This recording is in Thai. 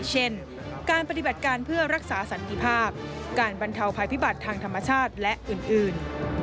เช่นการปฏิบัติการเพื่อรักษาสันติภาพการบรรเทาภัยพิบัติทางธรรมชาติและอื่น